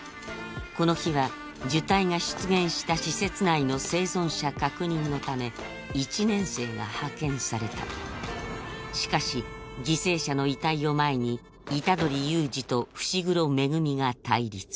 この日は呪胎が出現した施設内の生存者確認のため一年生が派遣されたしかし犠牲者の遺体を前に虎杖悠仁と伏黒恵が対立